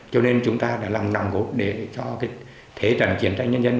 cho nên chúng ta đã làm nòng cốt để cho thế trận chiến tranh nhân dân